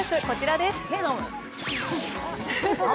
こちらです。